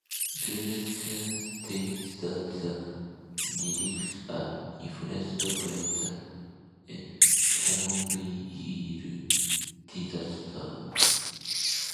Luerssen states that the lyrics are influenced by the Chernobyl disaster.